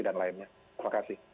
dan lainnya terima kasih